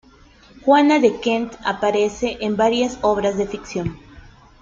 Juana de Kent aparece en varias obras de ficción.